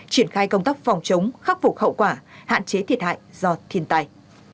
triển khai công tác phòng chống khắc phục hậu quả hạn chế thiệt hại do thiên tai